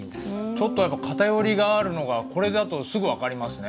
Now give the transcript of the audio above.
ちょっとやっぱ偏りがあるのがこれだとすぐ分かりますね。